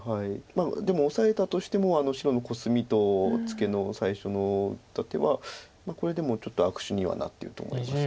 でもオサえたとしても白のコスミとツケの最初の打った手はこれでもちょっと悪手にはなってると思います。